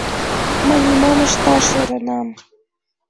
Мый нимом ышташ ӧрынам.